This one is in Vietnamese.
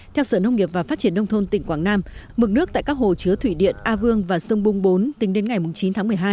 theo sở nông nghiệp và phát triển nông thôn tỉnh quảng nam mực nước tại các hồ chứa thủy điện a vương và sông bung bốn tính đến ngày chín tháng một mươi hai